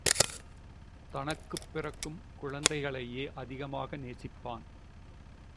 தனக்குப் பிறக்கும் குழந்தைகளையே அதிகமாக நேசிப்பான்.